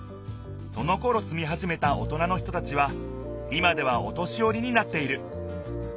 そのころすみはじめたおとなの人たちは今ではお年よりになっている。